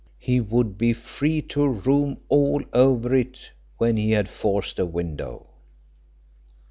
He would be free to roam all over it when he had forced a window."